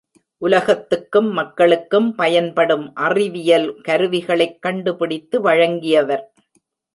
உலகத்துக்கும், மக்களுக்கும் பயன்படும் அறிவியல் கருவிகளைக் கண்டுபிடித்து வழங்கியவர்!